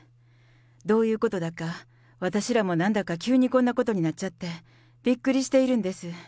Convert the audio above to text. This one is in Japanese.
どういうことだか、私らもなんだか急にこんなことになっちゃって、びっくりしているんです。